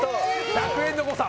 １００円の誤差